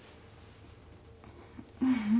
ううん。